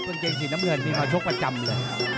นางเกงสีน้ำเหวินมีมาชกประจำเลยครับ